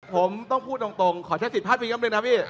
ผมต้องพูดตรงขอใช้ศิษย์ภาพพิอีกครั้งหนึ่งนะพี่